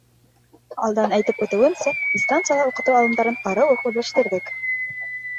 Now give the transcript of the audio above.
Алдан әйтеп үтеүемсә, дистанцияла уҡытыу алымдарын арыу уҡ үҙләштерҙек.